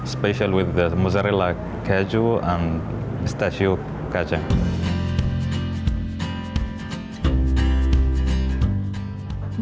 spesial dengan mozzarella keju dan stasiun kacang